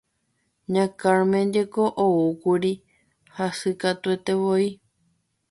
Ña Carmen jeko oúkuri hasykatuetévoi.